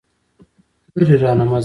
لرې رانه مه ځه.